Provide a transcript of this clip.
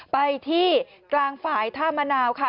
ไปที่กลางฝ่ายท่ามะนาวค่ะ